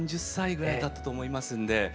３０歳ぐらいだったと思いますんで。